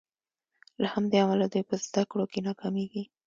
له همدې امله دوی په زدکړو کې ناکامیږي.